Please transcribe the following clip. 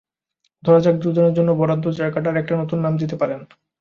ধরা যাক, দুজনের জন্য বরাদ্দ জায়গাটার একটা নতুন নাম দিতে পারেন।